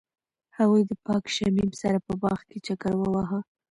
هغوی د پاک شمیم سره په باغ کې چکر وواهه.